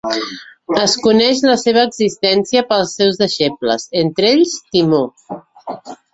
Es coneix la seva existència pels seus deixebles, entre ells Timó.